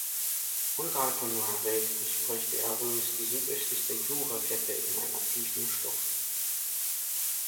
Unterhalb von Noiraigue durchbricht die Areuse die südöstlichste Jurakette in einer tiefen Schlucht.